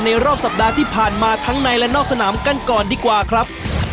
รอบสัปดาห์ที่ผ่านมาทั้งในและนอกสนามกันก่อนดีกว่าครับ